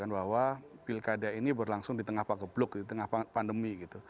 bahwa pilkada ini berlangsung di tengah pakebluk di tengah pandemi